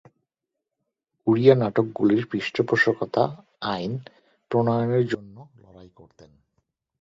ওড়িয়া নাটকগুলির পৃষ্ঠপোষকতা আইন প্রণয়নের জন্য লড়াই করেন।